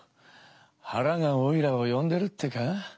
はらがおいらをよんでるってか？